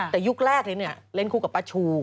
แต่ยุคแรกเลยเล่นคู่กับป้าชู